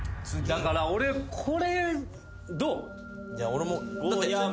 だから俺これどう？